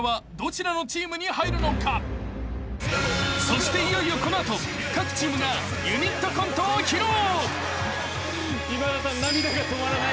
［そしていよいよこの後各チームがユニットコントを披露］